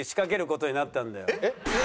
えっ？